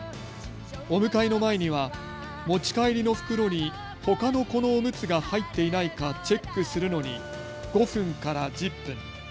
お迎えの前には持ち帰りの袋にほかの子のおむつが入っていないかチェックするのに５分から１０分。